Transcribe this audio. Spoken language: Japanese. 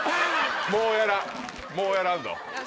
もうやらんもうやらんぞ。